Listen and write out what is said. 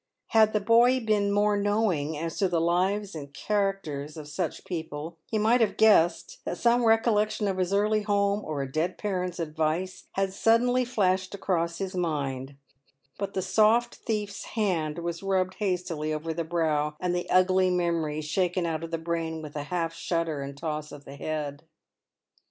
Had the boy been more knowing as to the lives and characters of such people, he might have guessed that some recollection of his early home, or a dead parent's advice, had suddenly flashed across his mind ; but the soft thief's hand was rubbed hastily over the brow, and the ugly memory shaken out of the brain with a half shudder and toss of the head.